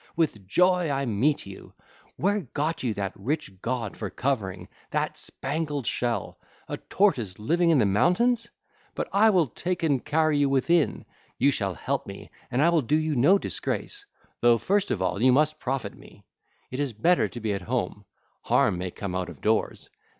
With joy I meet you! Where got you that rich gaud for covering, that spangled shell—a tortoise living in the mountains? But I will take and carry you within: you shall help me and I will do you no disgrace, though first of all you must profit me. It is better to be at home: harm may come out of doors.